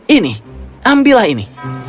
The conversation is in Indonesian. ini ambillah ini